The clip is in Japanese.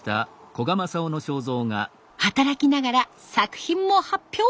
働きながら作品も発表。